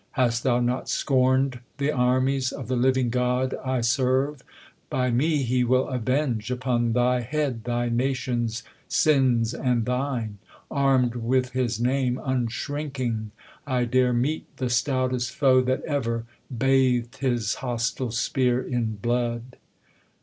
Hast thou not scorn'd The armies of the living God I serve ? By me he will avenge upon thy head Thy nation's sins and thine. Arm'd with his name, Unshrinking, I dare meet the stoutest foe That ever bath'd his hostile spear in blood.